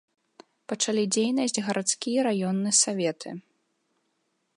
Пачалі дзейнасць гарадскі і раённы саветы.